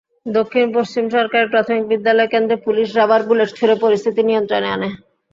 দক্ষিণ-পশ্চিম সরকারি প্রাথমিক বিদ্যালয় কেন্দ্রে পুলিশ রাবার বুলেট ছুড়ে পরিস্থিতি নিয়ন্ত্রণে আনে।